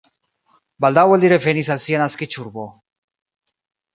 Baldaŭe li revenis al sia naskiĝurbo.